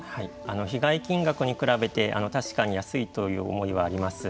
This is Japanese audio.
被害金額に比べて確かに安いという思いはあります。